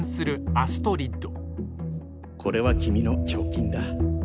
アストリッド！